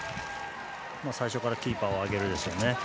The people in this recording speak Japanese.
最初からキーパーを上げるでしょうね。